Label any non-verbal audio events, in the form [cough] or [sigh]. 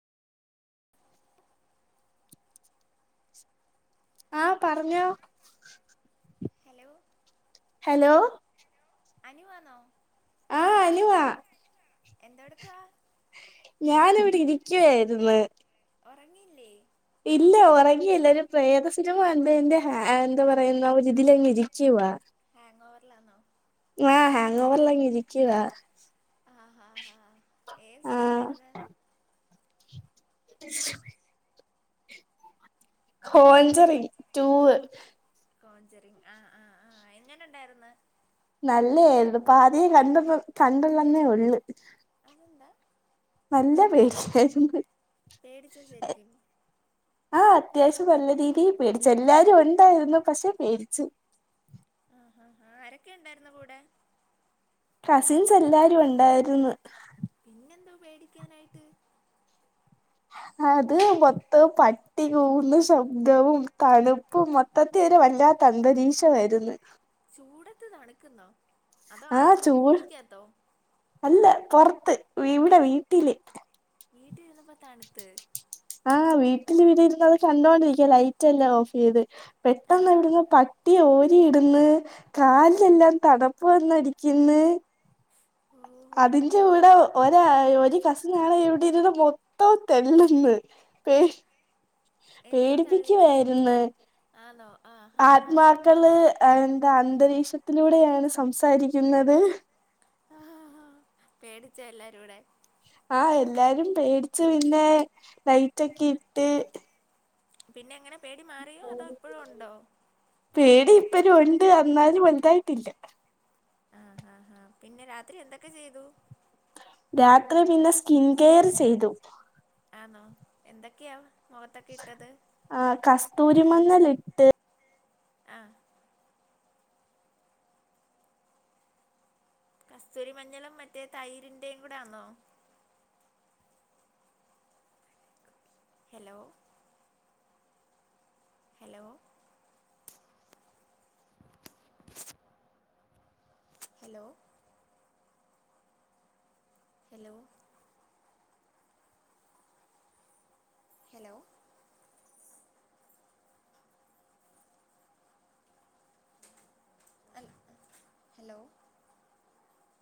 ആഹ പറഞ്ഞോ hello hello അനുവാന്നോ ആഹ് അനുവാ എന്തോ എടുക്കുവാ ഞാനിവിടെ ഇരിക്കുവായിരിന്ന് ഉറങ്ങിയില്ലേ ഇല്ല ഉറങ്ങയില്ല ഒരു പ്രേതസിനിമ കണ്ടെന്റെ ഹാങ്ങ്‌ എന്താ പറയുന്ന ഒരിതിലങ്ങ് ഇരിക്കുവ ഹാങ് ഓവറിലാന്നോ ആഹ് ഹാങ് ഓവറിലങ്ങ് ഇരിക്കുവാ ആഹ് ഹാ ഹാ ഏത് ആഹ് സിനിമയായിരുന്ന് [unintelligible] കൊഞ്ചുറിങ് ടൂ വ് കോഞ്ചെറിങ് ആഹ് ആഹ് ആഹ് എങ്ങനെ ഉണ്ടായിര്ന്ന് നല്ല ഏരുന്ന് ഇപ്പേ കണ്ടപ്പം കണ്ടുള്ളെന്നേ ഉള്ളു അതെന്താ നല്ല പേടിയായിരുന്ന് പേടിച്ചോ ശെരിക്കും ആഹ അത്യാവശ്യം നല്ല രീതിയില് പേടിച്ചു എല്ലാരും ഉണ്ടായിരുന്നു പക്ഷെ പേടിച്ചു ആഹ് ഹാ ഹാ ആരൊക്കെ ഉണ്ടായിരുന്ന് കൂടെ കസിൻസ് എല്ലാരും ഉണ്ടായിരുന്ന് പിന്നെന്തോ പേടിക്കാനായിട്ട് അത് മൊത്തം പട്ടികൂവുന്ന ശബ്ദവും തണു പ്പും മൊത്തത്തില് ഒര് വല്ലാത്ത അന്തരീക്ഷമായിരുന്നു ചൂടത്ത് തണുക്കുന്നോ അതോ ആ ആഹ ചൂട് മൂവിക്കകത്തോ അല്ല പുറത്ത് ഇവിടെ വീട്ടില് വീട്ടി ഇരുന്നപ്പൊ തണുത്ത് ആഹ് വീട്ടില് ഇവിടെ ഇര്ന്ന് അത് കണ്ടോണ്ടിരിക്ക ലൈറ്റ് എല്ലാം ഓഫ് ചെയ്ത് ആ ഹാ പെട്ടെന്നുണ്ടന്ന് പ ട്ടി ഓരിയിട്ന്ന് കാലിലെല്ലാം തടപ്പ് വന്നടിക്ക്‌ന്ന്. ഓഹോ അതിന്റെ വ്ടെ ഓര ഒരു കസ്നാണ് ഇവിടെര്ന്ന് മൊതോം തെല്ലന്ന് പേ എന്തോ തള്ളി പേടിപ്പിക്കുവായിരുന്നു ആണോ ആ ഹാ ഹാ ആത്മാക്കള് എന്താ അന്തരീക്ഷത്തിലൂടെയാണ് സംസാരിക്കുന്നത്. പേടിച്ച എല്ലാരൂടെ. ആഹ് എല്ലാരും പേടിച്ച് പിന്നെ ലൈറ്റൊക്കെ ഇട്ട്. പിന്നെങ്ങനെ പേടി മാറിയോ? അതോ ഇപ്പോഴും ഉണ്ടോ? പേടി ഇപ്പരും ഒണ്ട് എന്നാലും വലുതായിട്ടില്ല. ആ, ആ, ഹാ പിന്നെ രാത്രി എന്തൊക്കെ ചെയ്തു? രാത്രി പിന്നെ സ്കിൻകെയർ ചെയ്തു. ആന്നൊ എന്തൊക്കെയാ മുഖത്തൊക്കെ ഇട്ടത്? ആ കസ്തൂരിമഞ്ഞലിട്ട്. ആഹ്. കസ്തൂരി മഞ്ഞളും മറ്റേ തൈരിന്റേം കൂടെ ആന്നോ? Hello? Hello. Hello. Hello. Hello. ഹൽ, ഹലോ.